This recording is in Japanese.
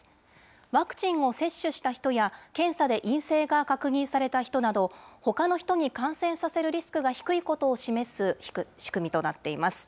ワクチンを接種した人や検査で陰性が確認された人など、ほかの人に感染させるリスクが低いことを示す仕組みとなっています。